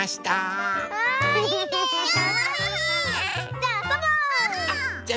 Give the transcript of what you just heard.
じゃああそぼう！